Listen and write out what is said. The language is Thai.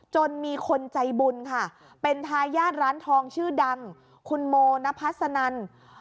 จนมีคนใจบุญค่ะเป็นทายาทร้านทองชื่อดังคุณโมนพัสนัน